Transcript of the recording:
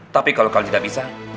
tapi kalau kau tidak bisa